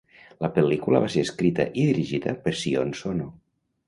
La pel·lícula va ser escrita i dirigida per Sion Sono.